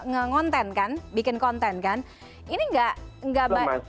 yang ada jika rope k beggas juga bagus